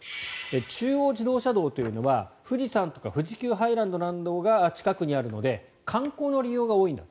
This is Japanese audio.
中央自動車道というのは富士山とか富士急ハイランドなんかが近くにあるので観光の利用が多いんだと。